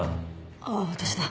ああ私だ。